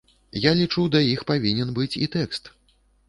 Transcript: Я лічу да іх павінен быць і тэкст.